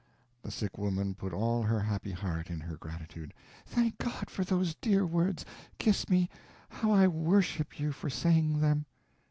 The sick woman put all her happy heart in her gratitude: "Thank God for those dear words! Kiss me. How I worship you for saying them!"